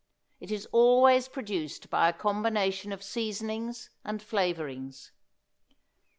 It is always produced by a combination of seasonings and flavorings.